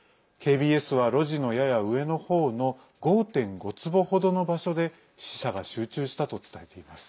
ＫＢＳは、路地のやや上の方の５．５坪程の場所で死者が集中したと伝えています。